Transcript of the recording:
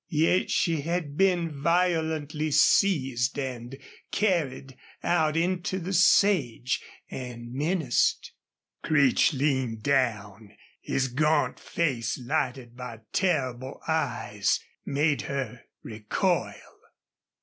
Yet she had been violently seized and carried out into the sage and menaced. Creech leaned down. His gaunt face, lighted by terrible eyes, made her recoil.